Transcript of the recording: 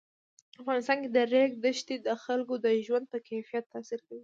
په افغانستان کې د ریګ دښتې د خلکو د ژوند په کیفیت تاثیر کوي.